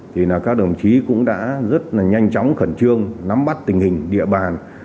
thì là các đồng chí cũng đã rất là nhanh chóng khẩn trương nắm bắt tình hình địa bàn